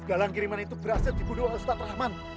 galang kiriman itu berhasil dibunuh ustaz rahman